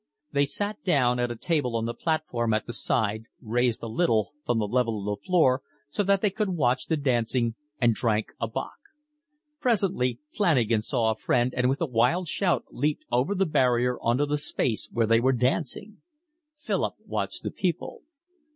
They sat down at a table on the platform at the side, raised a little from the level of the floor so that they could watch the dancing, and drank a bock. Presently Flanagan saw a friend and with a wild shout leaped over the barrier on to the space where they were dancing. Philip watched the people.